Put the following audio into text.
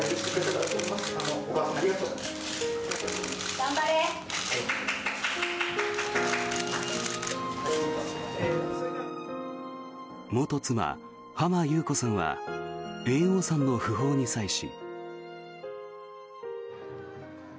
頑張れ！元妻・浜木綿子さんは猿翁さんの訃報に際し。